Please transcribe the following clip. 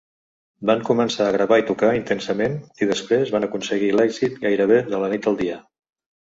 Van començar a gravar i tocar intensament i després van aconseguir l'èxit gairebé de la nit al dia.